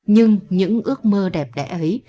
nhưng những ước mơ đẹp đẽ ấy